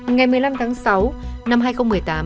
ngày một mươi năm tháng sáu năm hai nghìn một mươi tám